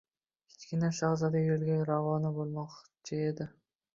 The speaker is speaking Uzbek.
Kichkina shahzoda yo‘lga ravona bo‘lmoqchi edi